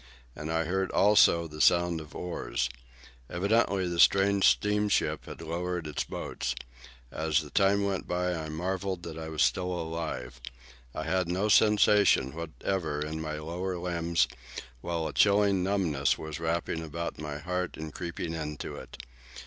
And I heard, also, the sound of oars. Evidently the strange steamboat had lowered its boats. As the time went by I marvelled that I was still alive. I had no sensation whatever in my lower limbs, while a chilling numbness was wrapping about my heart and creeping into it.